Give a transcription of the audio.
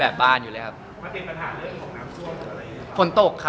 ประเทศปัญหาเรื่องของน้ำท่วมอะไรอย่างนี้ครับ